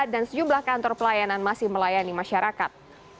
dan sejumlah kantor pelayanan masih melayani masyarakat